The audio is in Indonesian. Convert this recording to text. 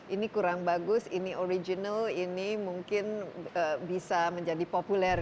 ini kurang bagus ini original ini mungkin bisa menjadi populer